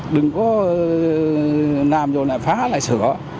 đừng có làm rồi lại phá lại sửa